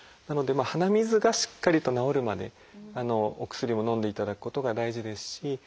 なので鼻水がしっかりと治るまでお薬をのんでいただくことが大事ですし